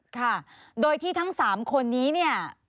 ค่ะโดยที่ทั้ง๓คนนี้